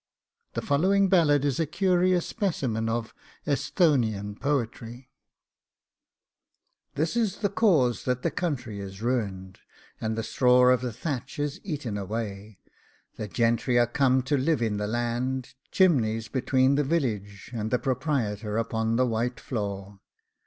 The following ballad is a curious specimen of Esthonian poetry: This is the cause that the country is ruined, And the straw of the thatch is eaten away, The gentry are come to live in the land Chimneys between the village, And the proprietor upon the white floor!